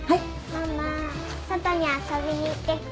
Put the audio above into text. ママ外に遊びに行ってきていい？